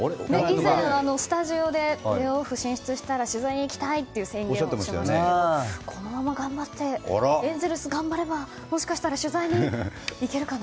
以前、スタジオでプレーオフに進出したら取材に行きたいと宣言しましたがこのままエンゼルス頑張ればもしかしたら取材に行けるかな？